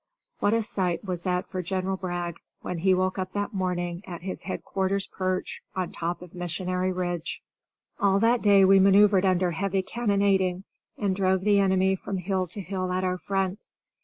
What a sight was that for General Bragg, when he woke up that morning at his headquarters' perch, on top of Missionary Ridge! All that day we maneuvered under heavy cannonading and drove the enemy from hill to hill at our front.